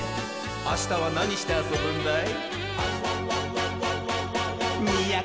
あしたはなにしてあそぶんだい？